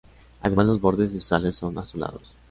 Además los bordes de sus alas son azulados.